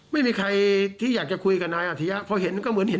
ไม่มีใครที่อยากจะคุยกับนายอธิึา